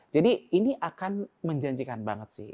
jadi ini akan menjanjikan banget sih